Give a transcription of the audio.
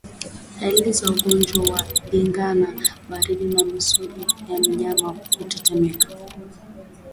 Dalili za ugonjwa wa ndigana baridi ni misuli ya mnyama kutetemeka